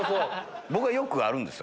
僕はよくあるんですよ。